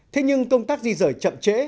thế nhưng công tác di rời chậm trễ